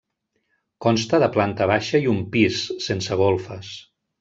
Consta de planta baixa i un pis, sense golfes.